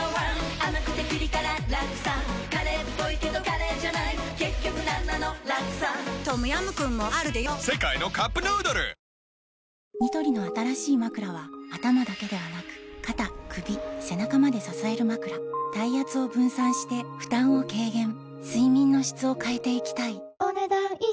甘くてピリ辛ラクサカレーっぽいけどカレーじゃない結局なんなのラクサトムヤムクンもあるでヨ世界のカップヌードルニトリの新しいまくらは頭だけではなく肩・首・背中まで支えるまくら体圧を分散して負担を軽減睡眠の質を変えていきたいお、ねだん以上。